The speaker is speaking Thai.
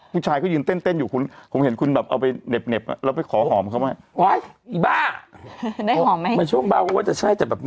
ผู้ชายก็ยืนเต้นอยู่คุณผมเห็นคุณแบบเอาไปเหน็บแล้วไปขอหอมเขาไหม